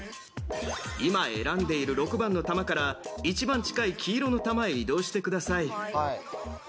今選んでいる６番の球から一番近い黄色の球に移動してください。